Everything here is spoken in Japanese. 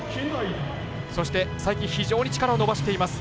そして、最近非常に力を伸ばしています。